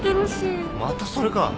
またそれか！？